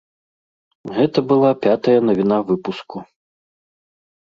Гэта была пятая навіна выпуску.